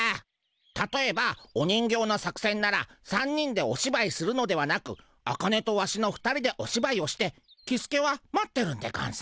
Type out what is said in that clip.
たとえばお人形の作せんなら３人でおしばいするのではなくアカネとワシの２人でおしばいをしてキスケは待ってるんでゴンス。